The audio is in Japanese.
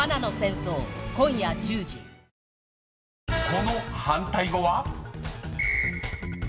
［この反対語は？］